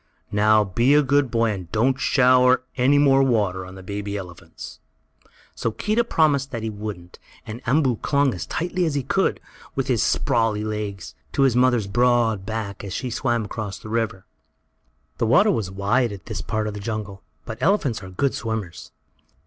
Now be a good boy, and don't shower any more water on the baby elephants." So Keedah promised that he wouldn't, and Umboo clung as tightly as he could, with his sprawly legs, to his mother's broad back as she swam across the river. The water was wide, at this part of the jungle, but elephants are good swimmers.